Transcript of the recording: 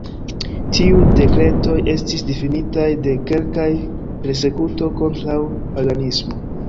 Tiuj dekretoj estis difinitaj de kelkaj Persekuto kontraŭ paganismo.